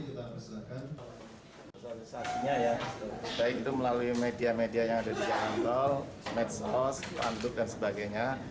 kita melaksanakan sosialisasinya ya baik itu melalui media media yang ada di jalan tol medsos fandut dan sebagainya